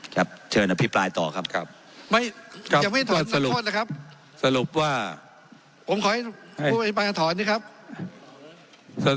ครับเชิญอภิปรายต่อครับครับไม่ยังไม่ถอนความโทษนะครับ